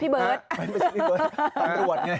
พี่เบิร์ต